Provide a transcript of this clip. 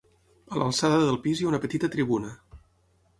A l'alçada del pis hi ha una petita tribuna.